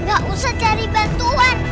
nggak usah cari bantuan